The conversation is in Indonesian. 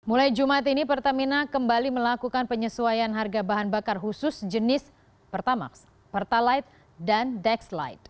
mulai jumat ini pertamina kembali melakukan penyesuaian harga bahan bakar khusus jenis pertamax pertalite dan dexlite